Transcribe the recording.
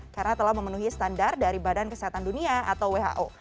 karena telah memenuhi standar dari badan kesehatan dunia atau who